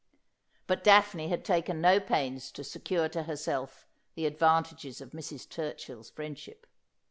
But Daphne had taken no pains to secure to herself the ad vantages of Mrs. Turchiirs friendship.